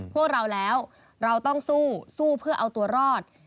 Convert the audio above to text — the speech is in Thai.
พวกเราแล้วเราต้องสู้สู้เพื่อเอาตัวรอด